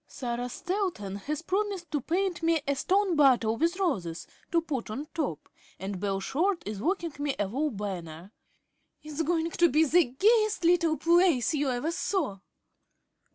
Sarah Stanton has promised to paint me a stone bottle with roses to put on top, and Bell Short is working me a wall banner. It's going to be the gayest little place you ever saw."